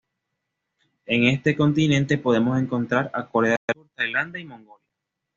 En este continente podemos encontrar a Corea del Sur, Tailandia y Mongolia.